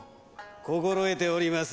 心得ております。